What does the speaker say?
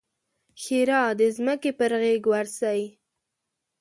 ښېرا: د ځمکې پر غېږ ورسئ!